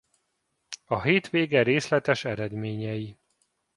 A hétvége részletes eredményei